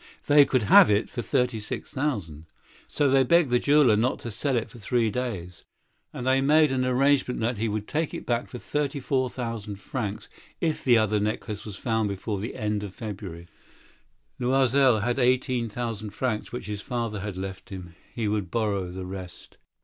They could have it for thirty six. So they begged the jeweler not to sell it for three days yet. And they made a bargain that he should buy it back for thirty four thousand francs, in case they should find the lost necklace before the end of February. Loisel possessed eighteen thousand francs which his father had left him. He would borrow the rest.